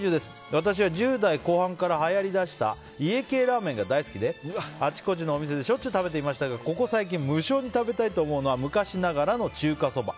私は１０代後半からはやりだした家系ラーメンが大好きであちこちのお店でしょっちゅう食べていましたがここ最近無性に食べたいと思うのは昔ながらの中華そば。